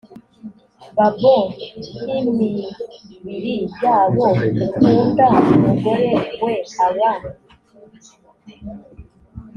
babo nk imibiri yabo ukunda umugore we aba